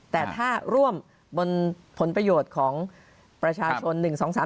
แต่ถ้าร่วมบนผลประโยชน์ของประชาชน๑๒๓